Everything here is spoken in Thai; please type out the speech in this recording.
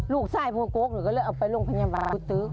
ลูกชายพูดโก๊คหรือก็เลิกเอาไปร่วงพยาบาล